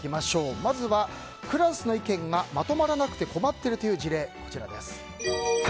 まずはクラスの意見がまとまらなくて困っているという事例です。